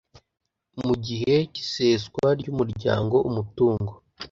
Mu gihe cy iseswa ry umuryango umutungo